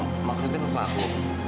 kau ketemu papa aku